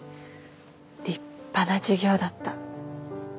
立派な授業だった。